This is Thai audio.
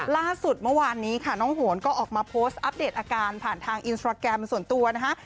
ล่าสุดเมื่อวานนี้ค่ะน้องโหนก็ออกมาโพสต์อัปเดตอาการผ่านทางอินสตราแกรมส่วนตัวนะฮะ